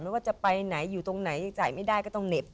ว่าจะไปไหนอยู่ตรงไหนยังจ่ายไม่ได้ก็ต้องเหน็บ